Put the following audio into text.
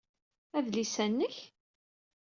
Adlis-a nnek?